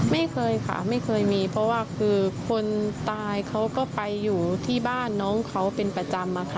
ไม่เคยค่ะไม่เคยมีเพราะว่าคือคนตายเขาก็ไปอยู่ที่บ้านน้องเขาเป็นประจำอะค่ะ